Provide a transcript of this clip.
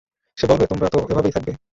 সে বলবে, তোমরা তো এভাবেই থাকবে।